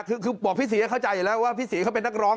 คือบอกพี่ศรีเข้าใจอยู่แล้วว่าพี่ศรีเขาเป็นนักร้อง